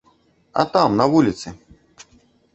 А там, на вуліцы!